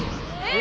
え！